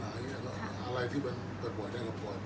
อันไหนที่มันไม่จริงแล้วอาจารย์อยากพูด